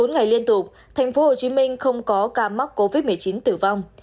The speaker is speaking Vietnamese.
bốn ngày liên tục tp hcm không có ca mắc covid một mươi chín tử vong